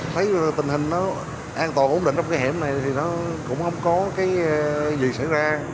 thấy tình hình nó an toàn ổn định trong cái hẻm này thì nó cũng không có cái gì xảy ra